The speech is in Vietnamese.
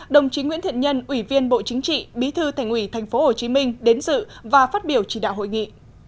đồng chí nguyễn thiện nhân ủy viên bộ chính trị bí thư thành ủy tp hcm đến dự và phát biểu chỉ đạo hội nghị